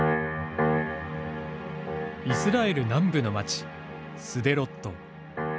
イスラエル南部の町スデロット。